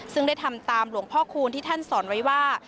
ซึ่งได้ทำตามหลวงพ่อคูณที่ท่านสอนไว้ว่า